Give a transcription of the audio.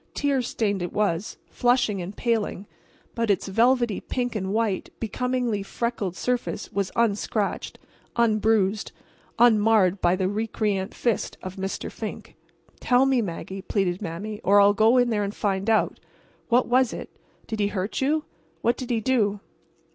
Tear stained it was, flushing and paling, but its velvety, pink and white, becomingly freckled surface was unscratched, unbruised, unmarred by the recreant fist of Mr. Fink. "Tell me, Maggie," pleaded Mame, "or I'll go in there and find out. What was it? Did he hurt you—what did he do?"